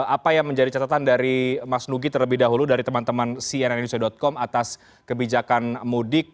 apa yang menjadi catatan dari mas nugi terlebih dahulu dari teman teman cnn indonesia com atas kebijakan mudik